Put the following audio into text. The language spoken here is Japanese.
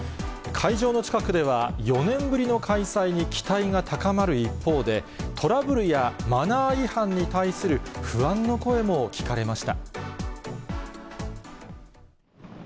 会場の近くでは、４年ぶりの開催に期待が高まる一方で、トラブルやマナー違反に対する不安の声も聞かれました。